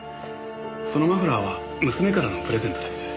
そのマフラーは娘からのプレゼントです。